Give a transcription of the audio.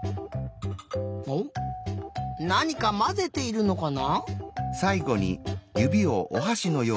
おっなにかまぜているのかな？